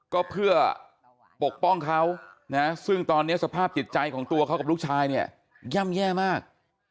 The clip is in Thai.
ก็เพื่อปกป้องเขานะซึ่งตอนนี้สภาพจิตใจของตัวเขากับลูกชายเนี่ยย่ำแย่มาก